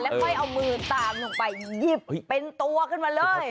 แล้วไว้เอามือตามมาหยิบเป็นตัวขึ้นมาเลย